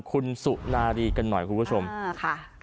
คุณสุนารีกันหน่อยคุณผู้ชมค่ะ